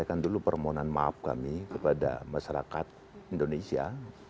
saya katakan dulu permohonan maaf kami kepada masyarakat indonesia